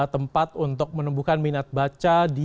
tempat untuk menemukan minat baca